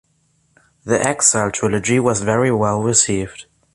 The "Exile" trilogy was very well received.